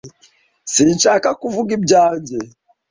Sinshaka kuvuga ibyanjye.